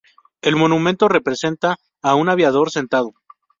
El monumento representa a un aviador sentado.